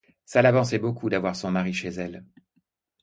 Ça l'avançait beaucoup d'avoir son mari chez elle.